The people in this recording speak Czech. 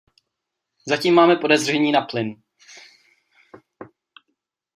Zatím máme podezření na plyn.